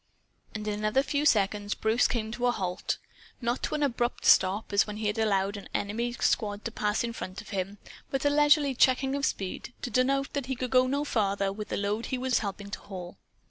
And in another few seconds Bruce came to a halt not to an abrupt stop, as when he had allowed an enemy squad to pass in front of him, but a leisurely checking of speed, to denote that he could go no farther with the load he was helping to haul.